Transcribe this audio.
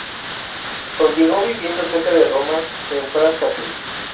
Continuó viviendo cerca de Roma, en Frascati.